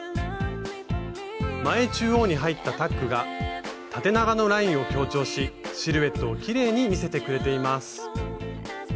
前中央に入ったタックが縦長のラインを強調しシルエットをきれいに見せてくれています。